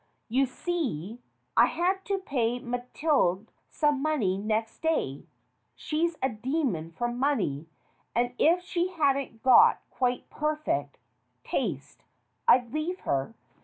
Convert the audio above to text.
You see, I had to pay Mathilde some money next day (she's a demon for money, and if she hadn't got quite perfect taste, I'd leave her).